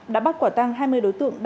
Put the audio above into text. đã bắt quả tăng hai mươi đối tượng